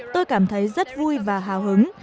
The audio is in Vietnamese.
tôi cảm thấy rất vui và hào hứng